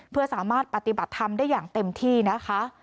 เพื่อสามารถปฏิบัติธรรมได้อย่างเต็มที่นะคะ